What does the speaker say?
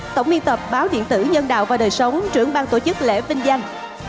tổng biên tập báo điện tử nhân đạo và đời sống trưởng bang tổ chức lễ vinh danh